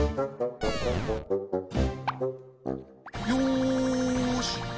よし。